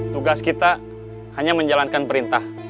tugas kita hanya menjalankan perintah